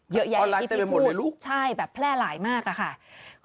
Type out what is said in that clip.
เยอะแยะที่พี่พูดใช่แบบแพร่หลายมากค่ะออนไลน์เต็มไปหมดเลยลูก